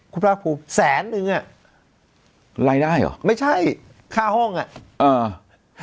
คุณพระครูแสนหนึ่งอ่ะรายได้เหรอไม่ใช่ค่าห้องอ่ะเออ